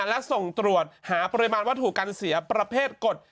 และส่งตรวจหาปริมาณวัตถุการเสียประเภทกฎ